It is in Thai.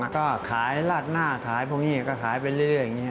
ก็ขายราดหน้าขายพวกนี้ก็ขายไปเรื่อยอย่างนี้